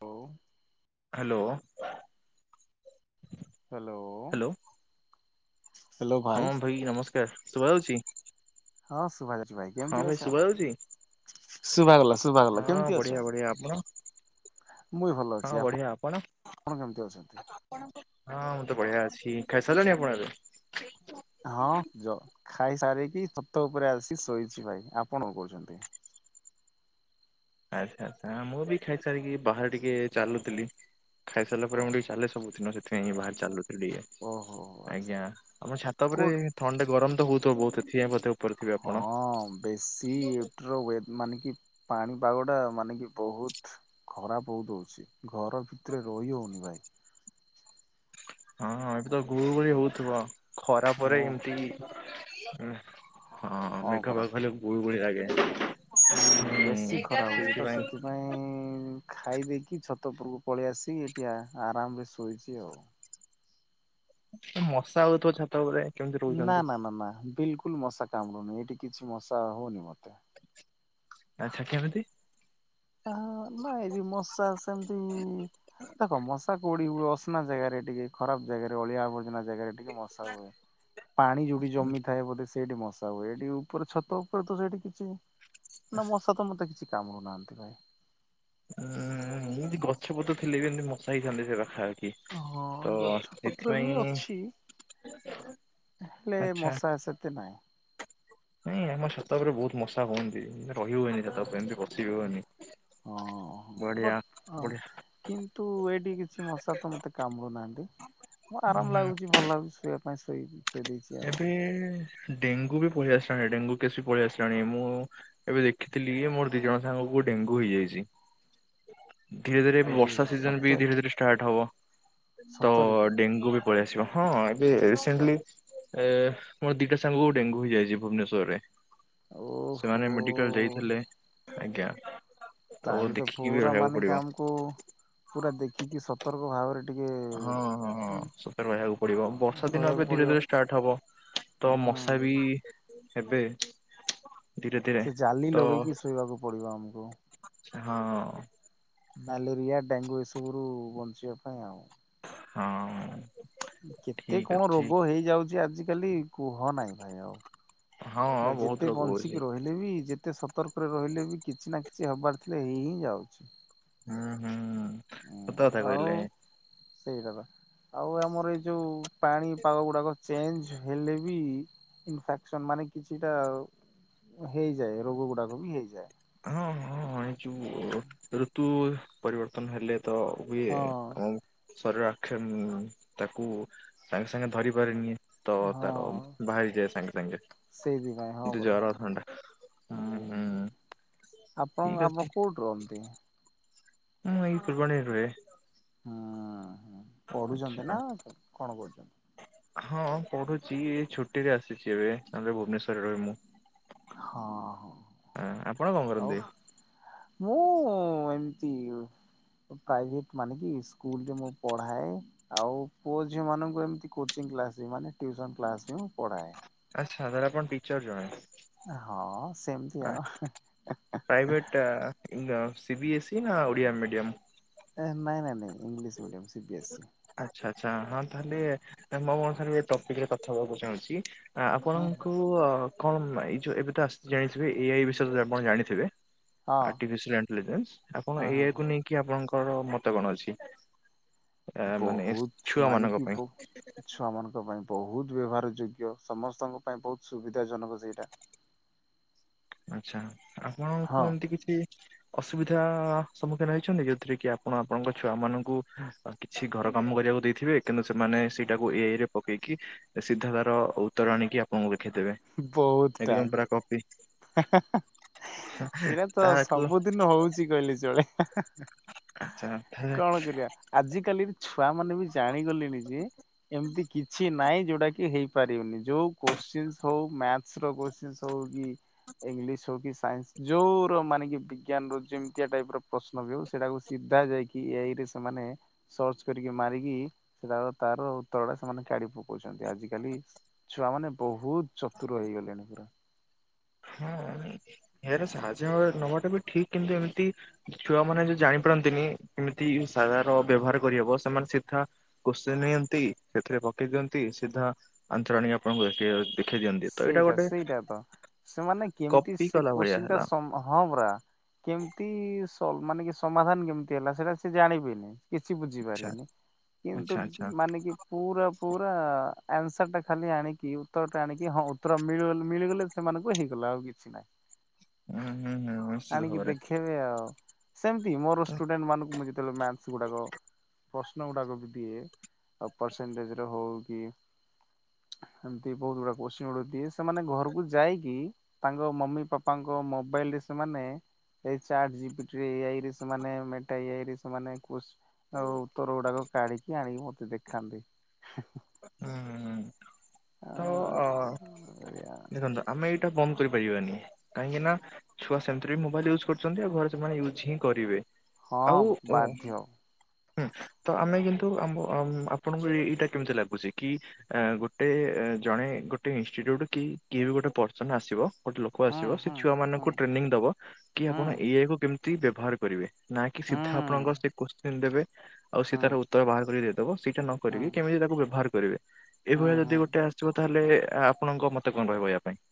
ହଉ। Hello. Hello. Hello ହଁ ଭାଇ ନମସ୍କାର, ଶୁଭାଯାଉଛି? ହଁ ଶୁଭା ଯାଉଛି ଭାଇ। ହଁ କେମିତି ଅଛ? ଶୁଭାଯାଉଛି? ଶୁଭାଗଲା ଶୁଭାଗଲା କେମିତି ଅଛ? ଏ ଆପଣ ମୁଁ ବି ଭଲ ହଁ ଅଛି। ବଢିଆ ଆପଣ କେମିତି ଅଛନ୍ତି? ହଁ ମୁଁ ତ ବଢିଆ ଅଛି। ଖାଇସାରିଲେଣି ଆପଣ ଏବେ? ହଁ ଜ-ଖାଇସାରିକି ଛାତ ଉପରେ ଆସି ଶୋଇଛି ଭାଇ। ଆପଣ କଣ କରୁଛନ୍ତି? ଆଚ୍ଛା, ଆଚ୍ଛା, ମୁଁ ବି ଖାଇସାରିକି ବାହାରେ ଟିକେ ଚାଲୁଥିଲି। ଖାଇସାରିଲା ଓ ପରେ ମୁଁ ଟିକି ଚାଲେ ସବୁଦିନ ସେଥିପାଇଁ ବାହାରେ ଚାଲୁ ଓହୋ [unintelligible] ଆଚ୍ଛା ଆଜ୍ଞା ଆମ ଛାତ ଉପରେ କୋଉଠୁ ଥଣ୍ଡା ଗରମ ତ ହଉଥୁବ ବହୁତ ସେଥିପାଇଁ ବୋଧେ ଉ ଉପରେ ଥିବେ ଆପଣ? ହଁ ବେଶୀ ଏଠର ୱେ ମାନେ କି ପାଣିପାଗଟା ମାନେ କି ବହୁତ ଖରାପ ବହୁତ ହଉଛି, ଘର ଭିତରେ ରହି ହଉନି ଭାଇ। ହଁଁ, ହଁ ଏବେ ତ ଗୁଳୁଗୁଳି ହଉଥୁବ, ଖରା ପରେ ହଁ ଏମିତି [inaudible] ହଁ ମେଘ ପାଗ ଖାଲି ଗୁଳୁଗୁଳି ଲାଗେ। ହୁଁ, ବେଶୀ ଖରା ହଉଛି ତ ସେଇଥିପାଇଁ ସେଥିପାଇଁ ଖାଇ ଦେଇକି ଛାତ ଉପୁରକୁ ପଳେଇ ଆସିିକି ଏଠି ଆ, ଆରାମରେ ଶୋଇଛି ଆଉ। ଏ ମଶା ହଉଥୁବ ଛାତ ଉପରେ? କେମିତି ନା ରହୁଛନ୍ତି? ନା ନା ନା ବିଲକୁଲ ମଶା କାମୁଡୁନି, ଏଇଠି କିଛି ମଶା ହଉନି ମୋତେ। ଆଚ୍ଛା କେମିତି? ହଁ ନା ଏଠି ମଶା ସେମତି ଦେଖ ମଶା କୋଉଠି ହୁଏ? ଅସନା ଜାଗାରେ ଟିକେ, ଖରାପ ଜାଗାରେ, ଅଳିଆ ଆବର୍ଜନା ଜାଗାରେ। ଟିକେ ମଶା ହୁଏ। ପାଣି ଯୋଉଠି ଜମିଥାଏ ବୋଧେ ସେ ସେଇଠି ମଶା ହୁଏ। ଏଇଠି ଉପରେ ଛାତ ଉପରେ ତ ସେଇଠି କିଛି ନା ମଶା ତ ମୋତେ କିଛି କାମୁଡୁ ନାହାନ୍ତି। ନାଇ। ଉଁ, ଏମିତି ଗଛପତ୍ର ଥିଲେ ବି ଏମିତି ମଶା ହେଇଥାନ୍ତେ ସେ ପାଖାପାଖି। ହଁ ତ ଗଛପତ୍ର ବି ସେଥିପାଇଁ ଅଛି। ହେଲେ ଆଚ୍ଛା ମଶା ସେତେ ନାଇଁ। ନାଇଁ ଆମ ଛାତ ଉପରେ ବହୁତ ମଶା ହୁଅନ୍ତି ନା। ରହି ହୁଏନି ଛାତ ଉପରେ ଏମିତି ବସିବି ହଁ ହୁଏନି। ହଁ ବଢିଆ, ବଟ୍ ହଁ। ବଢିଆ। କିନ୍ତୁ ଏଇଠି କି ଛି ମଶା ତ ମତେ କାମୁଡୁ ନାହାନ୍ତି। ମୁଁ ଉଁ ଆରାମ ହୁଁ ଲାଗୁଚି, ଭଲ ଲାଗୁଛି ଶୋଇବା ପାଇଁ ଶୋଇଚି। ଏବେ ଡେଙ୍ଗୁ ବି ପଳେଇ ଆସିଛନ୍ତି ଏଠି, ଡେଙ୍ଗୁ କେସ୍ ବି ପଳେଇ ଆସିଲାଣି। ମୁଁ ଏବେ ଦେଖିଥିଲି ଯେ ମୋର ଦି ଜଣ ସାଙ୍ଗକୁ ଡେଙ୍ଗୁ ହେଇଯାଇଛି। ଧୀରେ ଧୀରେ ଆରେ ବର୍ଷା ସିଜନ୍ ବି ସତରେ ଧୀରେ ଧୀରେ ଷ୍ଟାର୍ଟ ହବ। ତ ସତରେ କି ଡେଙ୍ଗୁ ବି ପଳି ଆସିବ, ହଁ ଏବେ ରିସେଣ୍ଟଲି ଏ ମୋ ଦିଟା ସାଙ୍ଗକୁ ଡେଙ୍ଗୁ ହେଇଯାଇଛି ଭୁବନେଶ୍ଵରରେ। ଓହୋ। ସେମାନେ ମେଡିକାଲ୍ ଯାଇଥିଲେ। ଆଜ୍ଞା। ତାହେଲେ ତ ଦେଖିକି ବି ପୁରା ରହିବାକୁ ମାନେ କି ପଡିବ ଆମକୁ ପୁରା ଦେଖିକି ସତର୍କ ଭାବରେ ଟିକେ ହଁ, ହଁ, ହଁ ସତର୍କ ରହିବାକୁ ପଡିବ। ବର୍ଷା ଦିନ ରହିବାକୁ ଏବେ ଧୀରେ ପଡିବ ଧୀରେ ଷ୍ଟାର୍ଟ ହବ। ତ ହୁଁ। ମଶା ବି ହେବେ। ଧୀରେ ଧୀରେ ସେ ଜାଲି ତ ଲଗେଇକି ଶୋଇବାକୁ ପଡ଼ିବ ଆମକୁ। ହଁ। ମ୍ୟାଲେରିଆ ଡ଼େଙ୍ଗୁ ଏସବୁରୁ ବଞ୍ଚିବା ପାଇଁ ଆଉ। ହଁ। କେତେ ଠିକ କଣ ଅଛି ରୋଗ ହେଇଯାଉଚି ଆଜିିକାଲି କୁହ ନାଇଁ ଭାଇ ଆଉ। ହଁ ବା ବହୁତ ଯେତେ ରୋଗ ହଉଛି ବଞ୍ଚିକି ରହି ହେଲେ ବି ଯେତେ ସତର୍କରେ ରହିଲେ ବି କିଛି ନା କିଛି ହବାର ଥିଲେ ହେଇ ହିଁ ଯାଉଛି। ହୁଁ ହୁଁ। ସତ କଥା କହିଲେ ଆଉ ସେଇଟା ପା। ଆଉ ଆମର ଏଇ ଯୋଉ ପାଣି ପାଗ ଗୁଡ଼ାକ ଚେଞ୍ଜ ହେଲେ ବି ଇନଫାକ୍ସନ ମାନେ କିଛିଟା ହେଇଯାଏ ରୋଗ ଗୁଡ଼ାକ ବି ହେଇଯାଏ। ହଁ ହଁ ଏ ଯୋଉ ରୁ ଋତୁ ପରିବର୍ତ୍ତନ ହେଲେ ତ ହୁଏ ହଁ ଆମ ଶରୀର ଆକ୍ଷନ୍ ତାକୁ ସାଙ୍ଗେ ସାଙ୍ଗେ ଧରି ପାରେନି ତ ହଁ ତାର ବାହାରିଯାଏ ସାଙ୍ଗେ ସାଙ୍ଗେ। ସେଇଥିପାଇଁ ହଁ ନ୍ତୁ ପରା। ଜର ଥଣ୍ଡା ହୁଁ ହୁଁ। ଆପଣଙ୍କ ଠିକ୍ ଆମ ଅଛି କୋଉଠି ରୁହନ୍ତି? ମୁଁ ଏଇ ଫୁଲବାଣୀ ରେ ରୁହେ। ହୁଁ ହୁଁ ପଢ଼ୁଛନ୍ତି ଆଚ୍ଛା। ନା କଣ କରୁଛନ୍ତି? ହଁ ପଢ଼ୁଛି ଏ ଛୁଟିରେ ଆସିଛି ଏବେ ନହେଲେ ଭୁବନେଶ୍ଵରରେ ରହେ ମୁ। ହଁ ହଁ ଆ ଆପଣ କଣ ଆଉ କରନ୍ତି? ମୁଁ ଏମତି ପ୍ରାଇଭେଟ ମାନେ କି ସ୍କୁଲରେ ମୁଁ ପଢ଼ାଏ। ଆଉ ପୁଅ ଝିଅ ମାନଙ୍କୁ ଏମତି କୋଚିଂ କ୍ଲାସ୍ ରେ ମାନେ ଟ୍ୟୁସନ କ୍ଲାସ୍ ରେ ମୁଁ ପଢ଼ାଏ। ଆଚ୍ଛା ତାହେଲେ ଆପଣ ଟିଚର୍ ଜଣେ। ହଁ ସେମିତି ଆଉ। ଆ ସିିବିଏସ୍ଇ ନା ଓଡ଼ିଆ ମିଡିୟମ୍? ନାଁ ନାଇଁ ନାଇଁ ନାଇଁ ଇଙ୍ଗଲିଶ୍ ମିଡିୟମ୍ ଆଚ୍ଛା ଆଛା ହଁ ତାହେଲେ ମୁଁ ଅନୁସାରେ ଏ ଟପିକରେ କଥା ହବାକୁ ଚାହୁଁଛି। ଆ ହଁ ଆପଣଙ୍କୁ ଆ କଣ ମା ଏ ଯୋଉ ଏବେ ତ ଆସିଛି ଜାଣିଥିବେ ଏଆଇ ବିଷୟରେ ଆପଣ ଜାଣିଥିବେ। ହଁ ଆର୍ଟିଫିସିଆଲ ଇଣ୍ଟଲିଜେନ୍ସ ଆପଣ ହଁ ହଁ ଏଆଇ ହଁ କୁ ନେଇକି ଆପଣଙ୍କର ମତ କଣ ଅଛି? ଆ ମାନେ ଛୁଆ ମାନଙ୍କ ପାଇଁ। ଛୁଆ ମାନଙ୍କ ପାଇଁ ବହୁତ ବ୍ୟବହାର ଯୋଗ୍ୟ ସମସ୍ତଙ୍କ ପାଇଁ ବହୁତ ସୁବିଧା ଜନକ ସେଇଟା। ଆଚ୍ଛା ହଁ ଆପଣଙ୍କୁ ଏମିତି କିଛି ଅସୁବିଧା ସମ୍ମୁଖୀନ ହେଇଛନ୍ତି କି ଯଉଥିରେ କି ଆପଣ ଆପଣଙ୍କ ଛୁଆ ମାନଙ୍କୁ ଆ କିଛି ଘର କାମ କରିବାକୁ ଦେଇଥିବେ କିନ୍ତୁ ସେମାନେ ସେଇଟାକୁ ଏଆଇ ରେ ପକେଇକି ସିଧା ତାର ଉତ୍ତର ଆଣିକି ଆପଣଙ୍କୁ ଦେଖେଇଥିବେ। ବହୁତ୍ ଟାଇମ୍ କବି ସେଇରା ତ ତାହାକୁ ସବୁ ନ ହଉଛି କହିଲେ ଚଳେ ଆଚ୍ଛା ତାହେଲେ କଣ କରିବା ଆଜିିକାଲି ଛୁଆ ମାନେ ବି ଜାଣିଗଲେଣି ଯେ ଏମତି କିଛି ନାହିଁ ଯଉଟା କି ହେଇପାରିବନି ଯୋଉ କୋସଚେନସ୍ ହୋଉ ମ୍ୟାଥର କୋସଚେନସ୍ ହଉ କି ଇଂଲିଶ୍ ହଉ କି ସାଇନ୍ସ୍ ଯୋଉର ମାନେ କି ବିଜ୍ଞାନ ର ଯେମିତିଆ ଟାଇପ ର ପ୍ରଶ୍ନ ବି ହଉ ସେଇଟାକୁ ସିଧା ଯାଇ କି ଏ ଆଇ ରେ ସେମାନେ ସର୍ଚ୍ଚ କରିକି ମାରିକି ସେଟାର ତାର ଉତ୍ତର ଟା ସେମାନେ କାଢ଼ି ପକଉଛନ୍ତି ଆଜିିକାଲି ଛୁଆ ମାନେ ବହୁତ ଚତୁର ହେଇଗଲେଣି ପୁରା। ହଁ ଏ ଆଇ ର ସାହାଯ୍ୟ ହ ନବାଟା ବି ଠିକ କିନ୍ତୁ ଏମିତି ଛୁଆମାନେ ଯଉ ଜାଣିପାରନ୍ତିନି କେମିତି ସାଧାରଣ ବ୍ୟବହାର କରିହବ ସେମାନେ ସିଧା କୋଷଚେନ ନିଅନ୍ତି ସେଥିରେ ପକେଇ ଦିଅନ୍ତି ସିଧା ଆନସର୍ ଆଣିକି ଆପଣଙ୍କୁ ଦେଖେଇ ଦେଖେଇ ଦିଅନ୍ତି ତ ଏଇଟା ସେଇଟା ଗୋଟେ ସେଇଟା ତ ସେମାନେ କେମିତି କପି ସେ କଲା ଭଳିଆ କୋସ୍ଚିନ ଟା ହେଲା। ସମ୍ଭ ହଁ ପରା କେମତି ସ ମାନେ କି ସମାଧାନ କେମତି ହେଲା ସେଟା ସେ ଜାଣିବେନି। କିଛି ଆଚ୍ଛା ବୁଝିପାରିବେନି କିନ୍ତୁ ଆଚ୍ଛା ଆଚ୍ଛା ମାନେ କି ପୁରା ପୁରା ଆନ୍ସର ଟା ଖାଲି ଆଣିକି ଉତ୍ତର ଟା ଆଣି କି ହଁ ଉତ୍ତର ମିଳିଗଲେ ମିଳିଗଲେ ସେମାନଙ୍କୁ ହେଇଗଲା ଆଉ କିଛି ନାହିଁ। ହୁଁ ହୁଁ ହୁଁ ନିଶ୍ଚିତ ଆଣିକି ଭାବରେ ଦେଖେଇବେ ଆଉ। ସେମିତି ମୋର ତ ଷ୍ଟୁଡେଣ୍ଟ ମାନଙ୍କୁ ମୁଁ ଯେତେବେଳେ ମ୍ୟାଥସ ଗୁଡାକ ପ୍ରଶ୍ନ ଗୁଡାକ ବି ଦିଏ ଆଉ ପରସେଣ୍ଟେଜ ର ହଉ କି ଏମତି ବହୁତ ଗୁଡା କୋସ୍ଚିନ ଗୁଡ଼ାଦିଏ ସେମାନେ ଘରକୁ ଯାଇକି ତାଙ୍କ ମମି ପାପାଙ୍କ ମୋବାଇଲ ରେ ସେମାନେ ଏଇ ଚାଟ୍ ଜିପିଟିରେ ଏଆ ଏଇ ରେ ସେମାନେ ମେଟା ଏ ଆଇ ରେ ସେମାନେ ଆଉ ଉତର ଗୁଡାକ କାଢିକି ଆଣିକି ମତେ ଦେଖାନ୍ତି। ହୁଁ ତ ଅ ଆ ଦେଖନ୍ତୁ ଆମେ ଏଇଠି ସେଟା ବନ୍ଧ କରି ପାରିବାନି କାହିଁକି ନା ଛୁଆ ସେମିତିରେ ବି ମୋାଇଲ ୟୁଜ କରୁଚନ୍ତି ଆଉ ଘରେ ସେମାନେ ୟୁଜ୍ ହିଁ କରିବେ। ଆଉ ହଁ ଅ ବାଧ୍ୟ। ହୁଁ ତ ଆମେ କିନ୍ତୁ ଆମ୍ଭ ଆମ ଆପଣଙ୍କୁ ଏଇଟା କେମିତି ଲାଗୁଛି କି ଏ ଗୋଟେ ଜଣେ ଗୋଟେ ଇନଷ୍ଟି୍ୟୁଟ କି କିଏ ବି ଗୋଟେ ପର୍ସନ ଆସିବ। ଗୋଟେ ଲୋକ ଆସିବ ସେ ହୁଁ ଛୁଆ ହୁଁ ମାନଙ୍କୁ ଟ୍ରେନିଂ ଦବ କି ହୁଁ ଆପଣ ଏଆଇ କୁ କେମତି ବ୍ୟବହାର କରିବେ ନା କି ହୁଁ ସିଧା ଆପଣଙ୍କ ସେ ହୁଁ କୋସ୍ଚିନ ଦେବେ ଆଉ ସେ ତାର ଉତ୍ତର ବାହାର କରି ଦେଇଦବ ସେଇଟା ନ ହୁଁ କରିକି କେମିତି ତାକୁ ବ୍ୟବହାର କରିବେ ହୁଁ ଏଇଭଳିଆ ଯଦି ହୁଁ ଗୋଟେ ଆସେ ଆସିବ ତାହେଲେ ଆପଣଙ୍କ ମତ କଣ ରହିବ ଏୟା ପାଇଁ।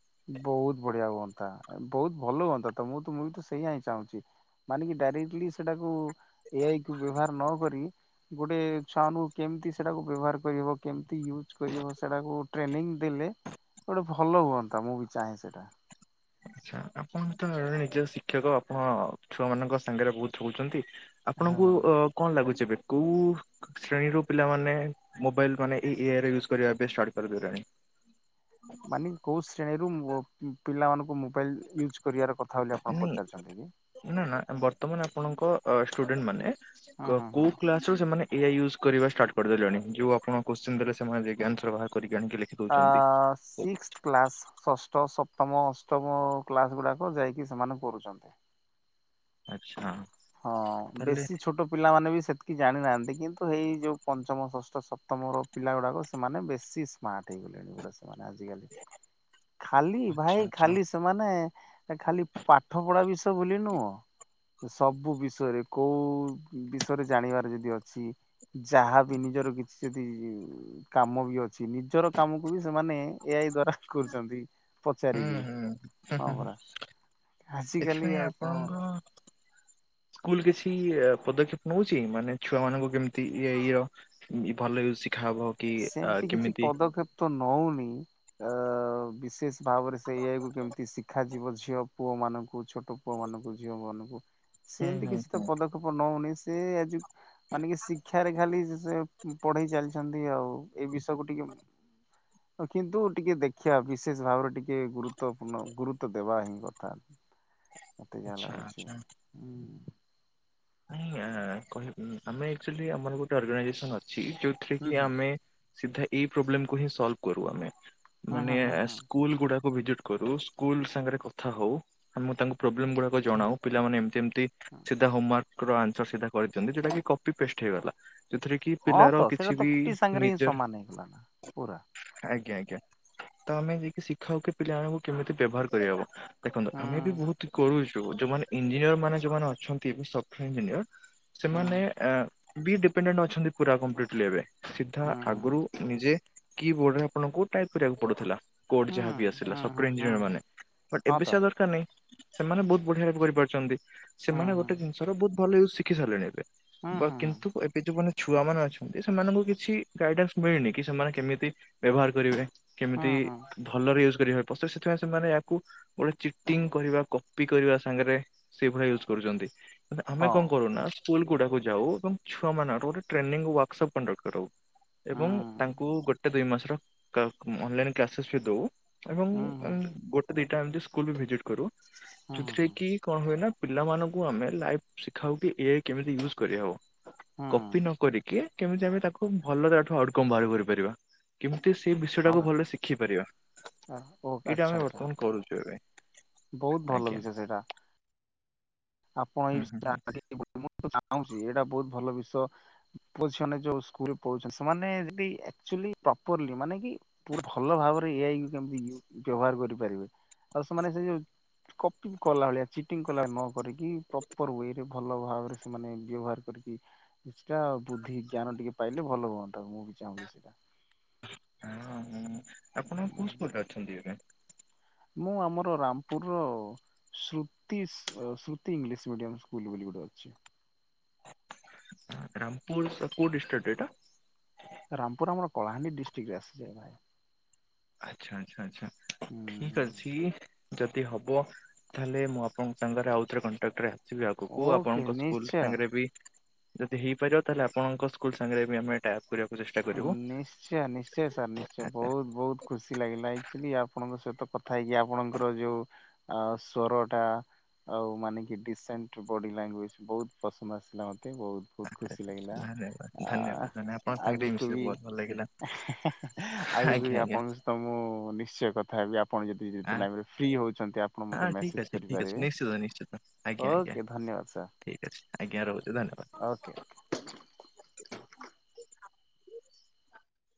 ବହୁତ୍ ବଢିଆ ହୁଅନ୍ତା ବହୁତ୍ ଭଲ ହୁଅନ୍ତା ତ ମୁଁ ତୁମକୁ ତ ସେଇଆ ହଁ ଚାହୁଁଛି। ମାନେ କିି ଡାଇରେକ୍ଟିଲି ସେଟାକୁ ଏଆଇ କୁ ବ୍ୟବହାର ନ କରି ଗୋଟେ ଛୁଆମାନଙ୍କୁ କେମିତି ସେଟାକୁ ବ୍ୟବହାର କରିହବ। କେମିତି ୟୁଜ୍ କରିବ ସେଟାକୁ ଟ୍ରେନିଂ ଦେଲେ ଗୋଟେ ଭଲ ହୁଅନ୍ତା ମୁଁ ବି ଚାହେଁ ସେଟା। ଆଛା ଆପଣ ତ ନିଜେ ଶିକ୍ଷକ ଆପଣ ଛୁଆମାନଙ୍କ ସାଙ୍ଗରେ ବହୁତ୍ ଚଳୁଚନ୍ତି। ଆପଣଙ୍କୁ ହଁ। ଅ କଣ ଲାଗୁଚି ଏବେ। କୌଉ ଶ୍ରେଣୀରୁ ପିଲାମାନେ ମୋବାଇଲ୍ ମାନେ ଏଆଇରେ ୟୁଜ୍ କରିବା ପାଇଁ ଷ୍ଟାର୍ଟ କରିଦେଲେଣି। ମାନେ କୋଉ ଶ୍ରେଣୀରୁ ନୁହ ପିଲାମାନଙ୍କୁ ମୁ ମୋବାଇଲ ୟୁଜ୍ କରିବାର କଥା ବୋଲି ଆପଣ ନାଇଁ ପଚାରୁଚନ୍ତି କି? ନା ନା ବର୍ତ୍ତମାନ ଆପଣଙ୍କ ଷ୍ଟୁଡେଣ୍ଟ ମାନେ ହୁଁ କ ହୁଁ ହୁଁ। କୌଉ କ୍ଲାସ ଏସବୁ ସେମାନେ ଏଆଇ ୟୁଜ୍ କରିବା ଷ୍ଟାର୍ କରିଦଲେଣି ଯୋଉ ଆପଣ କୋଶ୍ଚିନ ଦେଲେ ସେମାନେ ଯାଇକି ଆନ୍ସର ବାହାର କରିକି ଆଣିକି ଲେଖି ଆ ଦଉଛନ୍ତି। ସିକ୍ସ କ୍ଲାସ୍ ଷଷ୍ଠ ସପ୍ତମ ଅଷ୍ଟମ କ୍ଲାସ୍ ଗୁଡ଼ାକ ଯାଇକି ସେମାନେ କରୁଚନ୍ତି। ଆଛା। ହଁ ବେଶୀ ଛୋଟ ପିଲାମାନେ ବି ସେଥି କି ଜାଣି ନାଆନ୍ତି କିନ୍ତୁ ହେଇ ଯୋଉ ପଞ୍ଚମ ଷଷ୍ଠ ସପ୍ତମର ପିଲାଗୁଡ଼ାକ ସେମାନେ ବେଶୀ ସ୍ମାର୍ଟ ହେଇଗଲେ। ନୁଙ୍ଗୁଡା ସେମାନେ ଆଜିକାଲି ଖାଲି ଆଚ୍ଛା ଭାଇ ଆଚ୍ଛା ଖାଲି ସେମାନେ ଖାଲି ପାଠପଢା ବିଷୟ ବୋଲି ନୁଅଁ। ସବୁ ବିଷୟରେ କୋଉ ବିଷୟରେ ଜାଣିବାର ଯଦି ଅଛି। ଯାହା ବି ନିଜର କିଛି ଯଦି କାମ ବି ଅଛି ନିଜର କାମକୁ ବି ସେମାନେ ଏ ଆଇ ଦ୍ଵାରା କରୁଚନ୍ତି। ହୁଁ ପଚାରିକି ହୁଁ ହୁଁ ହଁ ହୁଁ ହୁଁ ପରା ଆଜିକାଲି ଏଥିପାଇଁ ଆଉ କଣ ଆପଣଙ୍କ ସ୍କୁଲ କିଛି ପଦକ୍ଷେପ ନଉଚି ମାନେ ଛୁଆମାନଙ୍କୁ କେମିତି ଇଆଇ ଇଅ। ଇ ଭଲେରେ ଶିଖା ହବ। କି ଆ, ସେମତି କିଛି କେମିତି ପଦକ୍ଷେପ ତ ନଉନି ଅ ବିଶେଷ ଭାବରେ ସେ ଏଆଇ କୁୁ କେମିତି ଶିଖାଯିବ ଝିଅ ପୁଅମାନଙ୍କୁ ଛୋଟ ପୁଅମାନଙ୍କୁ ଝିଅମାନଙ୍କୁ ହୁଁ ସେମ୍ ନ୍ତିି ହୁଁ କିଛି ତ ହୁଁ ପଦ କ୍ଷେପ ନଉନି ସେ ଆଜି ମାନେ କି ଶିକ୍ଷାରେ ଖାଲି ସେ ପଢେଇ ଚାଲିଚନ୍ତି। ନ୍ତିି ଆଉ ଏଇ ବିଷୟକୁ ଟିକେ- [inaudible] କିନ୍ତୁ ଟିକେ ଦେଖିବା ବିଶେଷ ଭାବରେ ଟିକେ ଗୁରୁତ୍ୱପୂର୍ଣ୍ଣ ଗୁରୁତ୍ଵ ଦେବା ହିଁ କଥା [inaudible] ମୋତେ ଯା ଆଚ୍ଛା ଲାଗୁଛି ଉଁ ଆ କହି ଉଁ ଆମେ ଆକଚୁଲି ଆମର ଗୋଟେ ଅର୍ଗାନାଇଜେସନ୍ ଅଛି ଯୋଉଥିରେ ହୁଁ କି ହୁଁ ଆମେ- ସିଧା ଏଇ ପ୍ରୋବ୍ଲେମକୁ ହିଁ ସଲ୍ଭ କରୁ ଆମେ ମାନେ ହୁଁ ହୁଁ ହୁଁ। ସ୍କୁଲଗୁଡାକୁ ଭିଜିଟ୍- କରୁ ସ୍କୁଲ ସାଙ୍ଗେରେ କଥା ହଉ ମୁଁ ତାଙ୍ଗୁ ପ୍ରୋବ୍ଲେମ୍ ଗୁରାକ ଜଣାଉ ପିଲାମାନେ ଏମତି ଏମତି ସିଧା ହୋମୱାର୍କ ଆନ୍ସର ସିଟଟା କରେଇ ଛନ୍ତି ସେଇଟା କି କପି ପେଷ୍ଟ ହେଇଗଲା ସେଥିରେ- କି ହଁ ପିଲାର ତ ସେଇଟା କିଛି ତ ବି କପି ସାଙ୍ଗରେ ହିଁ ନିଜର- ସମାନ ହେଇଗଲା ନା ପୁରା ଆଜ୍ଞା ଆଜ୍ଞା ତ ଆମେ ଯାଇକି ଶିଖାାଉ କି ପିଲାମାନଙ୍କୁ କେମିତି ବେବହାର କରିହବ ଦେଖନ୍ତୁ ହୁଁ ଆମେ ବି ବୋହୁତ କରୁଚୁ ଯୋଉମାନେ ଇଞ୍ଜିନିୟରମାନେ ଯୋଉମାନେ ଅଛନ୍ତି ଏବେ ସଫ୍ଟଓୟାର ଇଞ୍ଜିନିୟର ହୁଁ। ସେମାନେ ଆ ବି ଡିପେଣ୍ଡେଣ୍ଟ ଅଛନ୍ତି ପୁରା କମ୍ପ୍ଲିଟଲି ଏବେ ସିଧା ହୁଁ ଆଗୁରୁ ନିଜେ କି ବୋର୍ଡରେ ଆପଣଙ୍କୁ ଟାଇପ୍ କରିବାକୁ ପଡୁଥିଲା କୋଡ ହୁଁ ଯାହା ବି ଆସିଲା ହୁଁ ହୁଁ ସଫ୍ଟଓୟାର ହୁଁ ହୁଁ ଇଞ୍ଜିନିୟରମାନେ ବଟ୍ ହଁ ଏବେ ତ ସେ ଆଉ ଦରକାର ନାଇଁ ସେମାନେ ବହୁତ ବଢିଆ ଭାବେ କରିପାରୁଚନ୍ତି ହୁଁ ସେମାନେ ହୁଁ ଗୋଟେ ଜିନିଷର ବହୁତ ଭଲ ୟୁଜ୍ ଶିଖି ସାରିଲେଣି ଏବେ ହୁଁ ବା ହୁଁ କିନ୍ତୁ ଏବେ ଯୋଉମାନେ ଛୁଆମାନେ ଅଛନ୍ତି ସେମାନଙ୍କୁ କିଛି ଗାଇଡ଼ାନ୍ସ ମିଳିନି କି ସେମାନେ କେମିତି ବେବହାର କରିବେ ହୁଁ କେମିତି? ହୁଁ ଭଲରେ ୟୁଜ୍ କରିବା ପ୍ରସେସ୍ ସେଥିପାଇଁ ସେମାନେ ୟାକୁ ଗୋଟେ ଚିଟିଙ୍ଗ କରିବା କପି କରିବା ସାଙ୍ଗେରେ ସେଇ ଭଳିଆ ୟୁଜ୍ କରୁଚନ୍ତି ଆମେ ହଁ କଣ କରୁନା ସ୍କୁଲଗୁଡାକୁ ଯାଉ ଏବଂ ଛୁଆମାନଙ୍କର ଗୋଟେ ଟ୍ରେନିଂ ୱାର୍କସପ୍ କଣ୍ଡକ୍ଟ୍ କରଉ ହୁଁ ଏବଂ ତାଙ୍କୁ ଗୋଟେ ଦୁଇ ମାସର କା ଉଁ ଅନଲାଇନ୍ କ୍ଲାସେସ୍ ବି ଦଉ ଏବଂ ହୁଁ ହୁଁ ହୁଁ ଉଁ ହୁଁ ଗୋଟେ ଦିଟା ଏମତି ସ୍କୁଲ ବି ଭିଜିଟ୍ କରୁ ହୁଁ ଯୋଉଥିରେ ହୁଁ କି କଣ ହୁଏ ନା ପିଲାମାନଙ୍କୁ ଆମେ ଲାଇଫ୍ ଶିଖାଉ କି ଏ କେମିତି ୟୁଜ୍ କରିହବ କପି ନ ହଁ କରିକି କେମିତି ଆମେ ତାକୁ ଭଲରେ ଆଠୁ ଆଉଟକମ୍ ବାହାର କରିପାରିବା କେମିତି ସେଇ ବିଷୟଟାକୁ ଭଲରେ ଶିଖେଇ ପାରିବା ବା ଓ ଏଇଟା ଆଚ୍ଛା ଆମେ ଆଚ୍ଛା ବର୍ତ୍ତମାନ କରୁଚୁ ଏବେ ବହୁତ ଭଲ ଆଜ୍ଞା। ବିଷୟ ସେଇଟା ଆପଣ ହୁଁ ହୁଁ ହୁଁ ଏଇ [unintelligible] ଚାହୁଁଚି ଏଇଟା ବହୁତ ଭଲ ବିଷୟ ପୁଅ ଝିଅମାନେ ଯୋଉ ସ୍କୁଲରେ ପଢୁଛନ୍ତି ସେମାନେ ଯଦି ଆକ୍ଚୁଆଲି ପ୍ରପରଲି ମାନେ କି ପୁରା ଭଲ ଭାବରେ ଏ ଆଇ କେମିତି ବ୍ୟବହାର କରିପାରିବେ ଆଉ ସେମାନେ ସେ ଯୋଉ କପି କଲା ଭଳିଆ ଚିଟିଂ କଲା ଭଳିଆ ନ କରିକି ପ୍ରପର ୱେରେ ଭଲ ଭାବରେ ସେମାନେ ବ୍ୟବହାର କରିକି କିଛିଟା ବୁଦ୍ଧି ଜ୍ଞାନ ଟିକେ ପାଇଲେ ଭଲ ହୁଅନ୍ତା ମୁଁ ବି ଚାହୁଁଚି ହଁ ହଁ ଆପଣ କୋଉ ସ୍କୁଲରେ ଅଛନ୍ତି ଏବେ? ମୁଁ ଆମର ରାମପୁରର- Shruti Shruti English medium school ବୋଲି ଗୋଟେ ଅଛି ରାମପୁର କଉ ଡିଷ୍ଟଟିକ ଏଇଟା ରାମପୁର ଆମର କଳାହାଣ୍ଡି ଡିଷ୍ଟିକଟରେ ଆସିଯାଏ ଭାଇ ଆଚ୍ଛା ଆଛା ଆଚ୍ଛା ଠିକ ଅଛି ଯଦି ହବ ତାହେଲେ ମୁଁ ଆପଣଙ୍କ ସାଙ୍ଗରେ ଆଉଥରେ କଣ୍ଟାକ୍ଟରେ ବି ଆଗକୁ ଓକେ ଆପଣଙ୍କ ସ୍କୁଲ ନିଶ୍ଚୟ। ସାଙ୍ଗରେ ବି ଯଦି ହେଇପାରିବ ତାହେଲେ ଆପଣଙ୍କ ସ୍କୁଲ ସାଙ୍ଗରେ ବି ଆମେ ଟ୍ୟାପ କରିବାକୁ ଚେଷ୍ଟା- କରିବୁ। ନିଶ୍ଚୟ ନିଶ୍ଚୟ ସାର୍ ନିଶ୍ଚୟ ଆଚ୍ଛା ବହୁତ ବହୁତ ଖୁସି ଲାଗିଲା ଆକ୍ଚୁଆଲି ଆପଣଙ୍କ ସହିତ କଥା ହେଇକି ଆପଣଙ୍କର ଯୋଉ ଅ ସର ଟା ଆଉ ମାନେ କି ଡିସେଣ୍ଟ ବଡ଼ି ଲାଙ୍ଗୁଏଜ୍ ବହୁତ ପସନ୍ଦ ଆସିଲା ମୋତେ ବହୁତ ବହୁତ ଖୁସି ଲାଗିଲା ଧନ୍ୟବାଦ ଆ ଧନ୍ୟବାଦ ଧନ୍ୟ ଆପଣଙ୍କ ସାଙ୍ଗେ ଟିକେ ଆଗ- ହେ ମିଶିକି ବହୁତ ଭଲ ଲାଗିଲା ହେ ହେ ଆଉ ଆଜ୍ଞା ଆଜ୍ଞା। ଆପଣଙ୍କ ସହିତ ମୁଁ ନିଶ୍ଚୟ କଥା ହେବି ଆପଣ ଯଦି ଫ୍ରି ଆ ଜଦି ନାଇଁ ବଟ ଫ୍ରି ହଉଛନ୍ତି ଆପଣ ମତେ ହଁ ଠିକ୍ ମେସେଜ ଅଛି ଠିକ୍ ଅଛି କରିପାରିବେ ନିଶ୍ଚିତ ନିଶ୍ଚିତ ଆଜ୍ଞା ଆଜ୍ଞା ଓକେ ଧନ୍ୟବାଦ ସାର୍। ଠିକ୍ ଆଜ୍ଞା ରହୁଛି ଓକେ। ଧନ୍ୟବାଦ।